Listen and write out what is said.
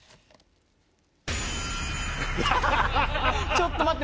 ちょっと待って。